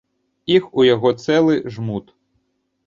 Іх у яго цэлы жмут.